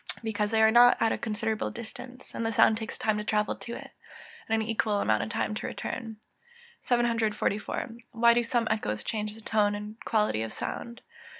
_ Because they are at a considerable distance, and the sound takes time to travel to it, and an equal time to return. 744. _Why do some echoes change the tone and quality of sound?